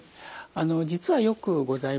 あの実はよくございます。